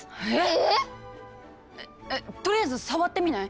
えぇっ⁉えとりあえず触ってみない？